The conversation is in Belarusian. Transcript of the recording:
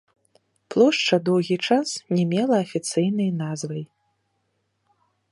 Плошча доўгі час не мела афіцыйнай назвай.